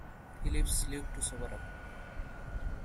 He leaves Luke to sober up.